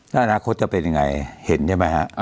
อนาคตจะเป็นยังไงเห็นใช่มั้ยฮะ